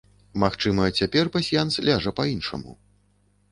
Магчыма, цяпер пасьянс ляжа па-іншаму.